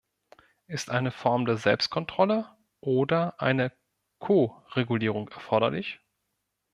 Ist eine Form der Selbstkontrolle oder eine Koregulierung erforderlich?